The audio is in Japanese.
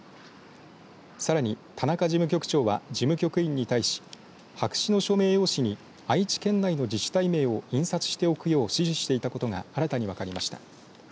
さらに、田中事務局長は事務局員に対し白紙の署名用紙に愛知県内の自治体名を印刷しておくよう指示していたことが新たに分かりました。